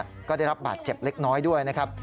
แล้วก็ได้รับบาดเจ็บเล็กน้อยด้วยนะครับ